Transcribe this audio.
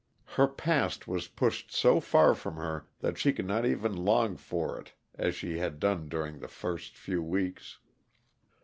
Her past was pushed so far from her that she could not even long for it as she had done during the first few weeks.